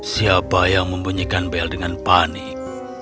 siapa yang membunyikan bel dengan panik